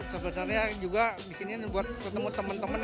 sebenarnya juga di sini buat ketemu temen temen